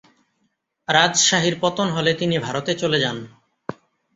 রাজশাহীর পতন হলে তিনি ভারতে চলে যান।